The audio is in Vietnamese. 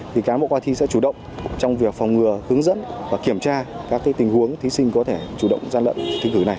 thì cán bộ coi thi sẽ chủ động trong việc phòng ngừa hướng dẫn và kiểm tra các tình huống thí sinh có thể chủ động gian lận thi cử này